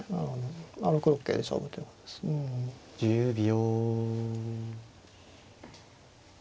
１０秒。